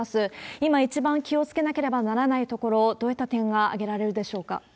今一番気をつけなければならないところ、どういった点が挙げられるでしょうか？